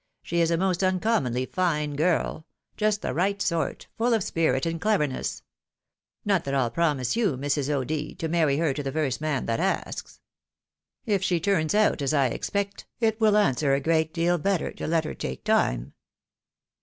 " She is a most uncommonly fine girl — just the right sort, full of spirit and cleverness. Not that I'U promise you, Mrs. O'D., to marry her to the first man that asks. If she turns out as I expect, it wQl answer a great deal better to let her take time."